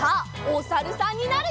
おさるさん。